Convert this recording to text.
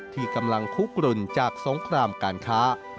ที่กำลังคุกกลุ่นจากสงครามการค้า